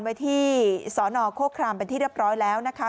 ไว้ที่สนโคครามเป็นที่เรียบร้อยแล้วนะคะ